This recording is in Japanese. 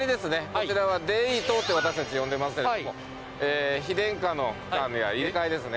こちらはＤＥ１０って私たち呼んでますけれども非電化の区間や入れ替えですね。